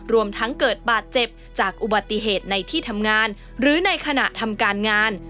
รวมทั้งเกิดบาดเจ็บจากอุบัติเหตุในที่ทำงานหรือในขณะทำการงาน